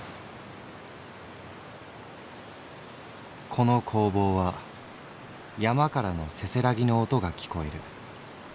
「この工房は山からのせせらぎの音が聴こえる。